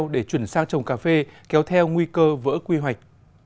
để chuyển sang trồng cà phê kéo theo nguy cơ vỡ quy hoạch